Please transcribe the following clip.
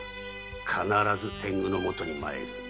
必ず天狗のもとへ参る。